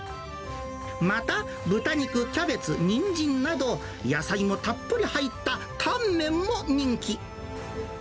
また、豚肉、キャベツ、ニンジンなど、野菜もたっぷり入ったたんめんも人気。